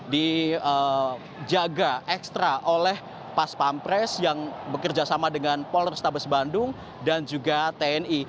di jaga ekstra oleh pas pampres yang bekerja sama dengan polar stables bandung dan juga tni